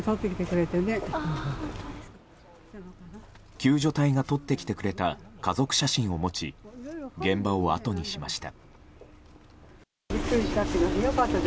救助隊がとってきてくれた家族写真を持ち現場をあとにしました。